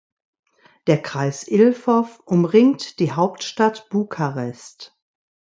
Der Kreis Ilfov umringt die Hauptstadt Bukarest.